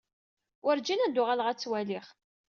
Werǧin ad uɣaleɣ ad ttwaliɣ.